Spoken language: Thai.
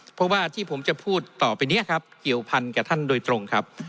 เพราะว่าที่ผมจะพูดต่อไปนี้ครับเกี่ยวพันกับท่านโดยตรงครับ